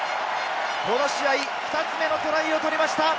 この試合２つ目のトライを取りました！